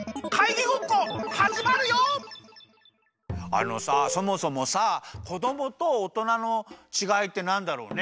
あのさそもそもさこどもとおとなのちがいってなんだろうね？